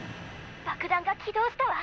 爆弾が起動したわ！